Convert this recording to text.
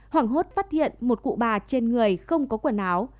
hoảng hốt phát hiện một cụ bà trên người không có quần áo